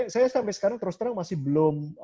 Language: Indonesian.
saya sampai sekarang terus terang masih belum